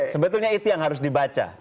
sebetulnya itu yang harus dibaca